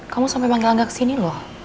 kamu sampe manggel anggel kesini loh